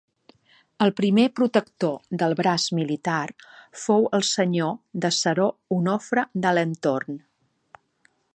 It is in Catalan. El primer Protector del braç militar fou el senyor de Seró Onofre d'Alentorn.